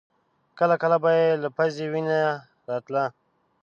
کله کله به يې له پزې وينه راتله.